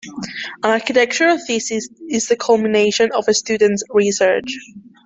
An architectural thesis is the culmination of a student's research.